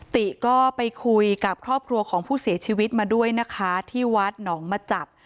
ติก็ไปคุยกับครอบครัวของผู้เสียชีวิตมาด้วยนะคะที่วัดหนองมาจับ